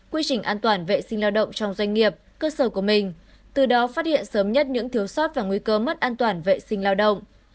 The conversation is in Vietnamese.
quy trình an toàn vệ sinh lao động trong doanh nghiệp cơ sở của mình từ đó phát hiện sớm nhất những thiếu sót và nguy cơ mất an toàn vệ sinh lao động